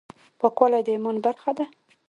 پاکوالی د ایمان برخه ده.